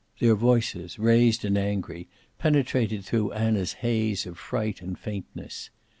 Their voices, raised and angry, penetrated through Anna's haze of fright and faintness.